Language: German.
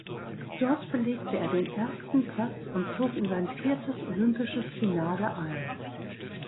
Dort belegte er den ersten Platz und zog in sein viertes olympisches Finale ein.